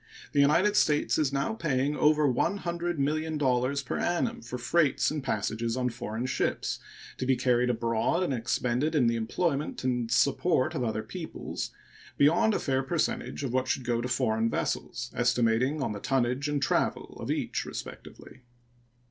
The United States is now paying over $100,000,000 per annum for freights and passage on foreign ships to be carried abroad and expended in the employment and support of other peoples beyond a fair percentage of what should go to foreign vessels, estimating on the tonnage and travel of each respectively.